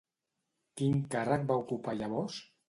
Quin càrrec va ocupar llavors?